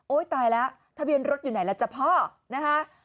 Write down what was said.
โอ้ยตายแล้วทะเบียนรถอยู่ไหนแล้วจับพ่อนะคะ